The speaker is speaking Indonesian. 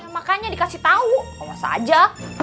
makanya dikasih tau awas aja